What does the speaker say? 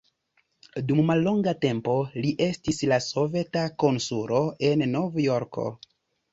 Dum mallonga tempo li estis la soveta konsulo en Novjorko.